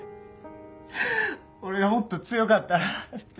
俺がもっと強かったらって。